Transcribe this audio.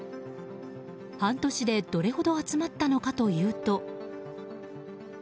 半年でどれほど集まったのかというと。